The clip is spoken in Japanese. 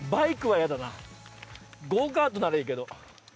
ゴーカートならいいけど。